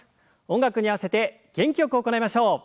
音楽に合わせて元気よく行いましょう。